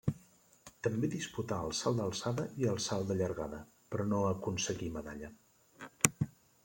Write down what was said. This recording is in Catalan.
També disputà el salt d'alçada i el salt de llargada, però no aconseguí medalla.